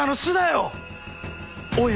おい。